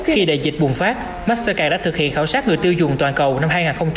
sau khi đại dịch bùng phát maxica đã thực hiện khảo sát người tiêu dùng toàn cầu năm hai nghìn hai mươi